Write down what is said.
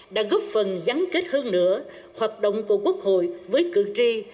đã góp phần gắn kết hơn nữa hoạt động của quốc hội với cử tri